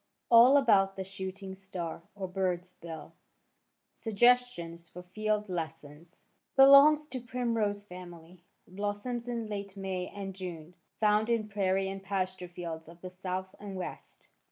ALL ABOUT THE SHOOTING STAR OR BIRD'S BILL SUGGESTIONS FOR FIELD LESSONS Belongs to primrose family. Blossoms in late May and June. Found in prairie and pasture fields of the South and West.